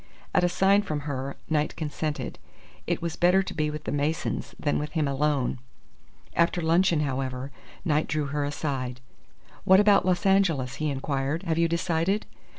At a sign from her, Knight consented. It was better to be with the Masons than with him alone. After luncheon, however, Knight drew her aside. "What about Los Angeles?" he inquired. "Have you decided?"